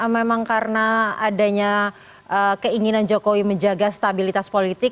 memang karena adanya keinginan jokowi menjaga stabilitas politik